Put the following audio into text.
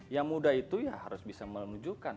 yang muda itu ya harus bisa menunjukkan